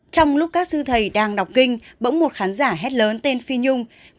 trong lúc các sư thầy đang đọc kinh bỗng một khán giả hết lớn tên phi nhung